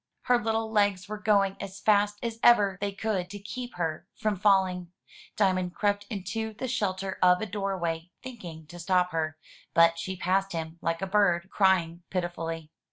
Her little legs were going as fast as ever they could to keep her from falling. Diamond crept into the shelter of a doorway, thinking to stop her; but she passed him like a bird, crying pitifully.